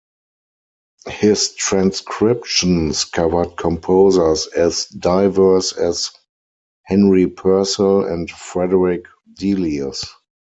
His transcriptions covered composers as diverse as Henry Purcell and Frederick Delius.